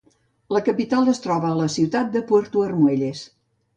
La capital es troba a la ciutat de Puerto Armuelles.